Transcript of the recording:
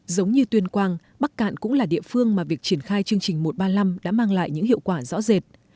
giống như tuyên quang bắc cạn cũng là địa phương mà việc triển khai chương trình một trăm ba mươi năm đã mang lại những hiệu quả rõ rệt